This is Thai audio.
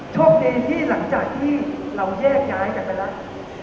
โชคดีที่หลังจากที่เราแยกย้ายกันไปแล้ว